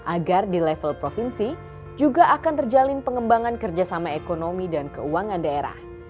agar di level provinsi juga akan terjalin pengembangan kerjasama ekonomi dan keuangan daerah